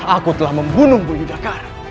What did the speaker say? aku telah membunuh bu yudhaka